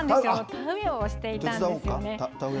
田植えをしていたんですね。